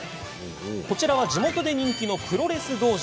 こちら地元で人気のプロレス道場。